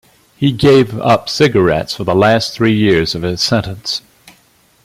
He gave up cigarettes for the last three years of his sentence.